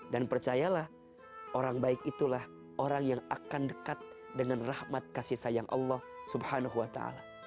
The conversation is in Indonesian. dan percayalah orang baik itulah orang yang akan dekat dengan rahmat kasih sayang allah subhanahu wa ta'ala